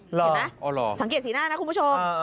เห็นไหมสังเกตสีหน้านะคุณผู้ชม